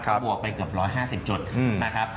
บวกไปเกือบ๑๕๐จุดนะครับ